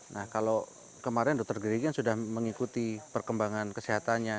nah kalau kemarin dr gregi sudah mengikuti perkembangan kesehatannya